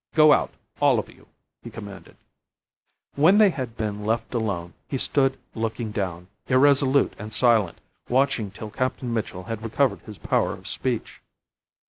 "Go out, all of you," he commanded. When they had been left alone he stood looking down, irresolute and silent, watching till Captain Mitchell had recovered his power of speech.